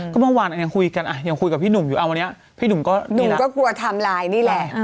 ก็เมื่อวานยังคุยกันยังคุยกับพี่หนุ่มอยู่พี่หนุ่มก็กลัวทำลายนี่แหละ